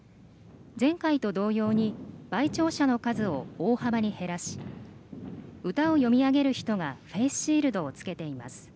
前回と同様に陪聴者の数を大幅に減らし歌を詠み上げる人がフェイスシールドを着けています。